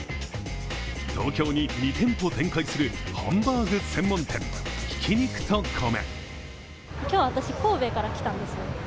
東京に２店舗展開するハンバーグ専門店、挽肉と米。